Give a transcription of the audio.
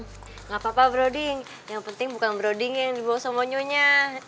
gak apa apa broding yang penting bukan broding yang dibawa sama nyonya